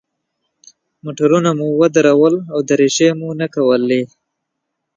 موټرونه مو ودرول او دریشۍ مو نه کولې.